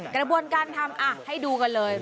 กระบวนการทำให้ดูกันเลย